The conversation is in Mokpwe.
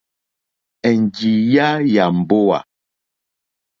Ènjìyá yà mbówà.